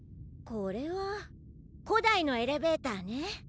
これはこだいのエレベーターね。